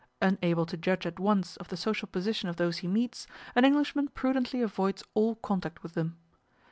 Unable to judge at once of the social position of those he meets, an Englishman prudently avoids all contact with them.